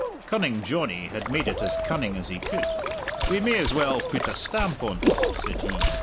Cunning Johnny had made it as cunning as he could. "We may as well put a stamp on't," said he.